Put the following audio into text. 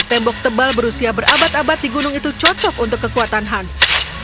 tembok tebal berusia berabad abad di gunung itu cocok untuk kekuatan hans